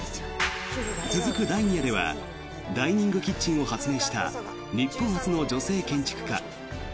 続く第２夜ではダイニングキッチンを発明した日本初の女性建築家。